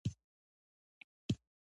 په کلي کې چې خبره شي،